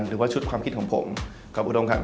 หรือว่าชุดความคิดของผมขอบอุดมครับ